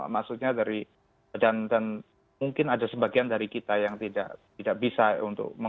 maksudnya dari dan mungkin ada sebagian dari kita yang tidak bisa untuk